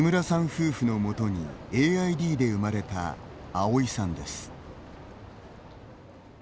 夫婦のもとにＡＩＤで生まれたアオイさんです。